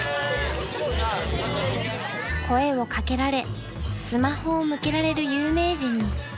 ［声を掛けられスマホを向けられる有名人に］